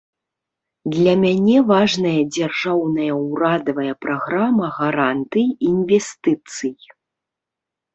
Для мяне важная дзяржаўная ўрадавая праграма гарантый інвестыцый.